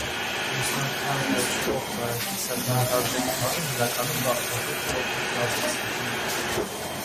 Լուսնաքար կոչվող կիսաթանկարժեք քարը հիմնականում բաղկացած է օրթոկլազից։